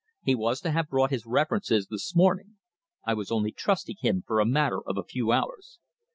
He was to have brought his references this morning. I was only trusting him for a matter of a few hours."